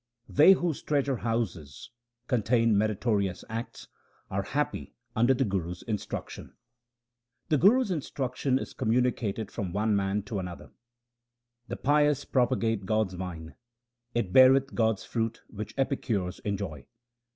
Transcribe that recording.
They whose treasure houses contain meritorious acts are happy under the Guru's instruction. Asa The Guru's instruction is communicated from one man to another :— The pious propagate God's vine ; It beareth God's fruit which epicures enjoy.